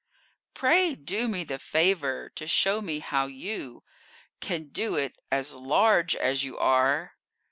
Pray do me the favor to show me how you Can do it, as large as you are."